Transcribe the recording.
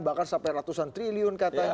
bahkan sampai ratusan triliun katanya